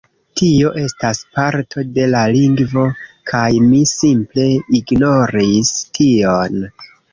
Tio estas parto de la lingvo" kaj mi simple ignoris tion.